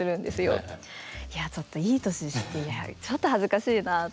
いやちょっといい年してちょっと恥ずかしいなとか。